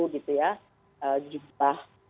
gitu ya jumlah